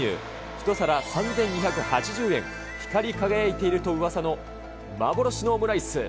１皿３２８０円、光り輝いているとうわさの幻のオムライス。